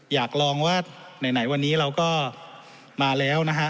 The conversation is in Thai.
อยากลองว่าไหนวันนี้เราก็มาแล้วนะฮะ